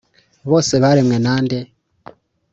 bose baremwe na nde?